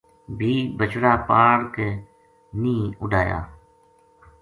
بھی بچڑا پاڑ کے نیہہ اُڈایا‘‘